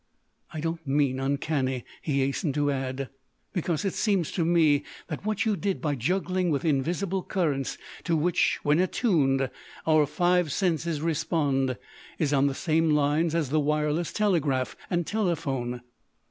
"I don't mean uncanny," he hastened to add. "Because it seems to me that what you did by juggling with invisible currents to which, when attuned, our five senses respond, is on the same lines as the wireless telegraph and telephone."